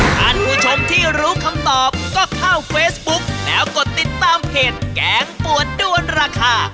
ท่านผู้ชมที่รู้คำตอบก็เข้าเฟซบุ๊กแล้วกดติดตามเพจแกงปวดด้วนราคา